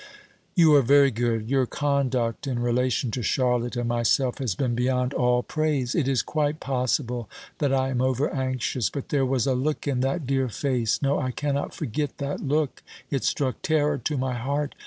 "You are very good: your conduct in relation to Charlotte and myself has been beyond all praise. It is quite possible that I am over anxious; but there was a look in that dear face no I cannot forget that look; it struck terror to my heart.